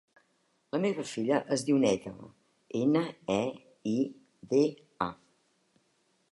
La meva filla es diu Neida: ena, e, i, de, a.